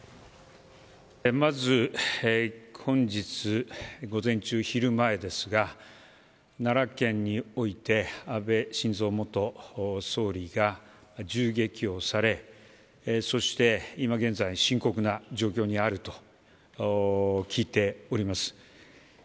まず本日午前中、昼前ですが奈良県において安倍晋三元総理が銃撃をされそして、今現在深刻な状況にあると聞いております。